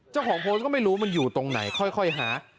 เจ้าของโพสต์ก็ไม่รู้มันอยู่ตรงไหนค่อยหา